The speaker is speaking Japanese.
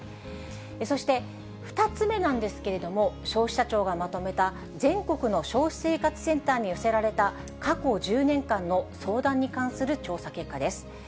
そして、２つ目なんですけれども、消費者庁がまとめた全国の消費生活センターに寄せられた、過去１０年間の相談に関する調査結果です。